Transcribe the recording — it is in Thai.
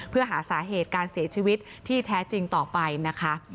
เพื่อหาสาเหตุการเสียชีวิตที่แท้จริงต่อไปนะคะ